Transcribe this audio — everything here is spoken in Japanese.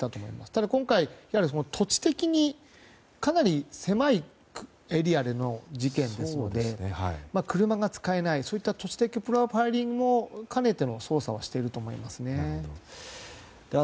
ただ今回、土地的にかなり狭いエリアでの事件ですので車が使えないなどといった土地的なプロファイリングも兼ねての捜査をしていると思いますね。